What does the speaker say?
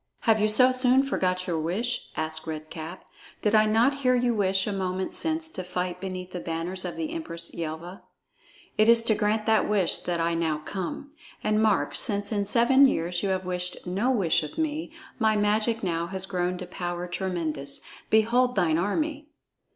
"Have you so soon forgot your wish?" asked Red Cap. "Did I not hear you wish a moment since to fight beneath the banners of the Empress Yelva? It is to grant that wish that I now come. And mark, since in seven years you have wished no wish of me, my magic now has grown to power tremendous. Behold thine army!"